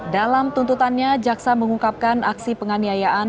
dalam tuntutannya jaksa mengungkapkan aksi penganiayaan